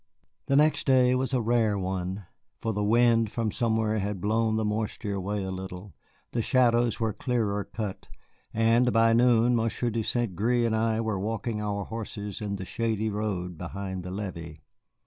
The next day was a rare one, for a wind from somewhere had blown the moisture away a little, the shadows were clearer cut, and by noon Monsieur de St. Gré and I were walking our horses in the shady road behind the levee.